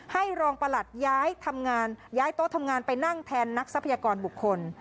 รองประหลัดย้ายทำงานย้ายโต๊ะทำงานไปนั่งแทนนักทรัพยากรบุคคล